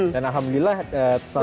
dan alhamdulillah setahun kemarin